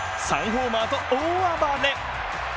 ３ホーマーと大暴れ！